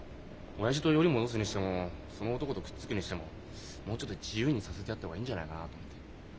親父とヨリ戻すにしてもその男とくっつくにしてももうちょっと自由にさせてやった方がいいんじゃないかなと思って。